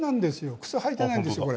靴を履いていないんですよ。